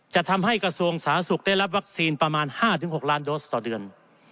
จะทำให้กระทรวงสาธารณสุขได้รับวัคซีนประมาณ๕๖ล้านโดสต่อเดือน